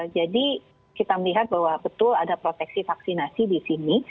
jadi kita melihat bahwa betul ada proteksi vaksinasi di sini